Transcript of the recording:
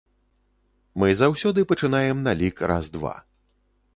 Мы заўсёды пачынаем на лік раз-два.